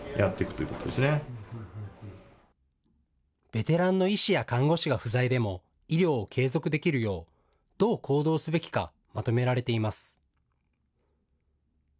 ベテランの医師や看護師が不在でも医療を継続できるようどう行動すべきかまとめられています。